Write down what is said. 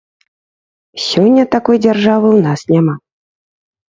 Сёння такой дзяржавы ў нас няма.